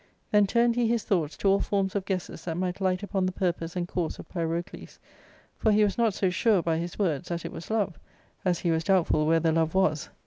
Then turned he his thoughts to all forms t)f guesses"~lhat might light upon the purpose and course of Pyrocles ; for he was not so sure, by his words, that it was love, as he was doubtful where the love was.